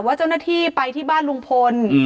ว่าเจ้าหน้าที่ไปที่บ้านลุงพล